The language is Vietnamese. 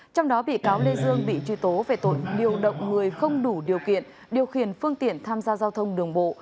trong đó bị cáo lê dương bị truy tố về tội điều động người không đủ điều kiện điều khiển phương tiện tham gia giao thông đường bộ